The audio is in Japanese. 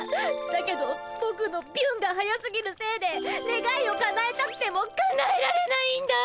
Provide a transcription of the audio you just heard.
だけどぼくのビュンが速すぎるせいでねがいをかなえたくてもかなえられないんだ！